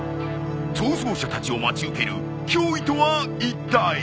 逃走者たちを待ち受ける脅威とはいったい？